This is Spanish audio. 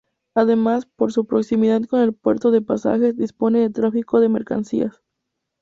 Además, por su proximidad con el puerto de Pasajes dispone de tráfico de mercancías.